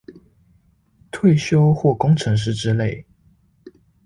退休或工程師之類